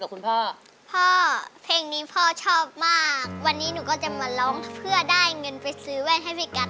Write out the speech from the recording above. สมาธิพร้อมเพลงพร้อมร้องได้ให้ล้านเพลงที่๒เพลงมาครับ